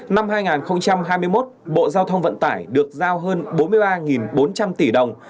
năm hai nghìn hai mươi một bộ giao thông vận tải được giao hơn bốn mươi ba bốn trăm linh tỷ đồng